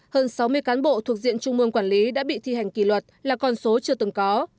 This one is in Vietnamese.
hơn sáu mươi cán bộ thuộc diện trung mương quản lý đã bị thi hành kỳ luật là con số chưa từng có